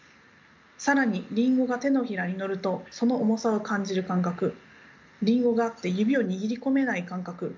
更にりんごが手のひらに載るとその重さを感じる感覚りんごがあって指を握り込めない感覚。